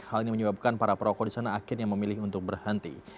hal ini menyebabkan para perokok di sana akhirnya memilih untuk berhenti